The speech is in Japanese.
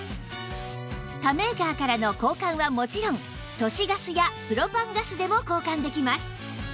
他メーカーからの交換はもちろん都市ガスやプロパンガスでも交換できます